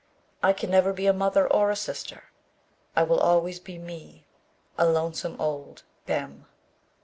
I can never be a mother or a sister. I will always be me, a lonesome old bem.